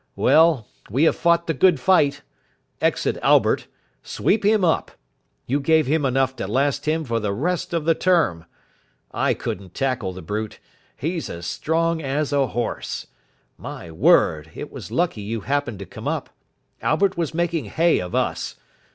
Well, we have fought the good fight. Exit Albert sweep him up. You gave him enough to last him for the rest of the term. I couldn't tackle the brute. He's as strong as a horse. My word, it was lucky you happened to come up. Albert was making hay of us.